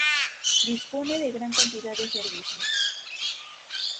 Dispone de gran cantidad de servicios.